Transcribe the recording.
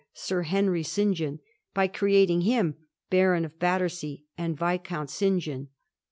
Sir Henry St. John, by creating him Baron of Battersea and Viscount St. John.